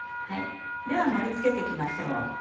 では盛り付けて行きましょう。